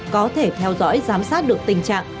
có thể theo dõi giám sát được tình trạng